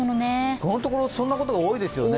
このところそんなことが多いですよね。